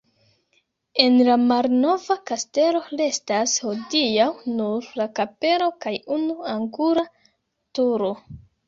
El la malnova kastelo restas hodiaŭ nur la kapelo kaj unu angula turo.